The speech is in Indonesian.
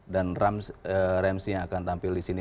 dan ramsey yang akan tampil disini